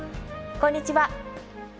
こんにちは。